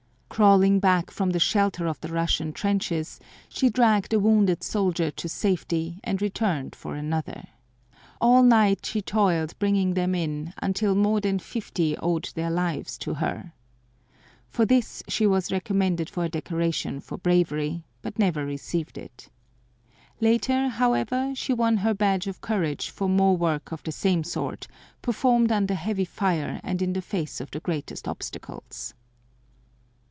Crawling back from the shelter of the Russian trenches, she dragged a wounded soldier to safety and returned for another. All night she toiled bringing them in until more than fifty owed their lives to her. For this she was recommended for a decoration for bravery, but never received it. Later, however, she won her badge of courage for more work of the same sort performed under heavy fire and in the face of the greatest obstacles.